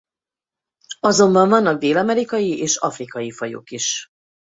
Azonban vannak dél-amerikai és afrikai fajok is.